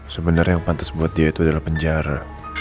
sebenarnya yang pantas buat dia itu adalah penjara